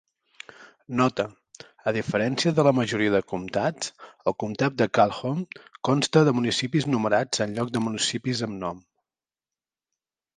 Nota: A diferència de la majoria de comtats, el comtat de Calhoun consta de municipis numerats en lloc de municipis amb nom.